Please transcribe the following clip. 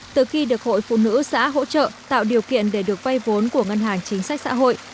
từ khi được hội phụ nữ xã hỗ trợ tạo điều kiện để được vay vốn của ngân hàng chính sách xã hội